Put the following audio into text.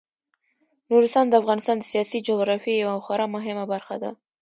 نورستان د افغانستان د سیاسي جغرافیې یوه خورا مهمه برخه ده.